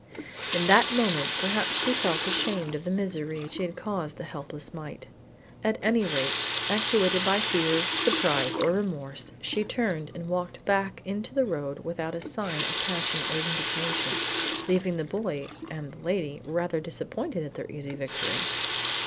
In that moment perhaps she felt ashamed of the misery she had caused the helpless mite. At any rate, actuated by fear, surprise, or remorse, she turned and walked back into the road without a sign of passion or indignation, leaving the boy and the lady rather disappointed at their easy victory.